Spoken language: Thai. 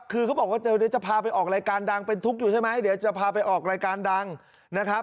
คือเขาบอกว่าเดี๋ยวจะพาไปออกรายการดังเป็นทุกข์อยู่ใช่ไหมเดี๋ยวจะพาไปออกรายการดังนะครับ